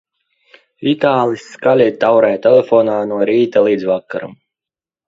Itālis skaļi taurē telefonā no rīta līdz vakaram.